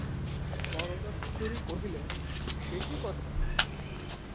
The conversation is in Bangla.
বরদাসুন্দরী কহিলেন, সে কী কথা?